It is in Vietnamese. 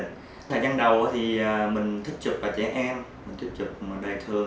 nhưng nguyễn vinh hiển